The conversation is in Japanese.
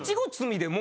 でも。